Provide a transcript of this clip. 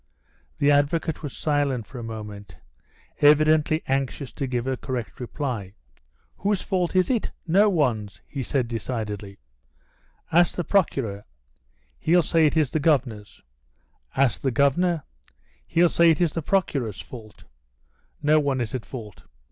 The advocate was silent for a moment, evidently anxious to give a correct reply. "Whose fault is it? No one's," he said, decidedly. "Ask the Procureur, he'll say it is the Governor's; ask the Governor, he'll say it is the Procureur's fault. No one is in fault."